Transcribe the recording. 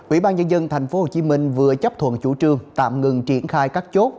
ủy ban nhân dân tp hcm vừa chấp thuận chủ trương tạm ngừng triển khai các chốt